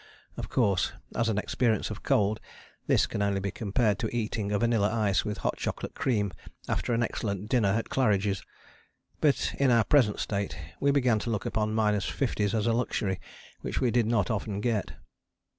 of course as an experience of cold this can only be compared to eating a vanilla ice with hot chocolate cream after an excellent dinner at Claridge's. But in our present state we began to look upon minus fifties as a luxury which we did not often get.